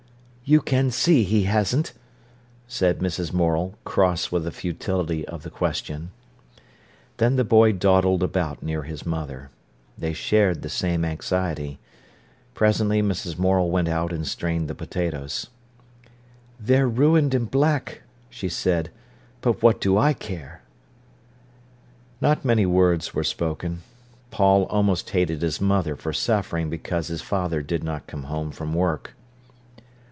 "You can see he hasn't," said Mrs. Morel, cross with the futility of the question. Then the boy dawdled about near his mother. They shared the same anxiety. Presently Mrs. Morel went out and strained the potatoes. "They're ruined and black," she said; "but what do I care?" Not many words were spoken. Paul almost hated his mother for suffering because his father did not come home from work.